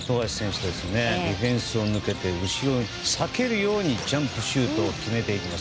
ディフェンスを抜けて後ろに避けるようにジャンプシュートを決めていきます。